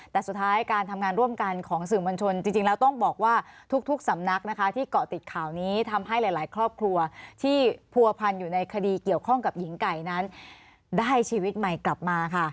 แต่สุดท้ายการทำงานร่วมกันของสื่อมวลชนจริงแล้วต้องบอกว่าทุกสำนักนะคะที่เกาะติดข่าวนี้ทำให้หลายครอบครัวที่ผัวพันอยู่ในคดีเกี่ยวข้องกับหญิงไก่นั้นได้ชีวิตใหม่กลับมาค่ะ